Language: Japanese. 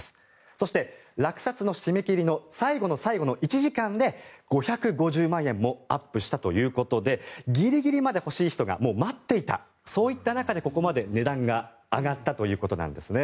そして、落札の締め切りの最後の最後の１時間で５５０万円もアップしたということでギリギリまで欲しい人が待っていたそういった中でここまで値段が上がったということです。